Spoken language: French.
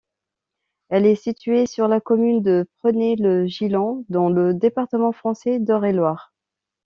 Elle est située sur la commune de Prunay-le-Gillon dans le département français d'Eure-et-Loir.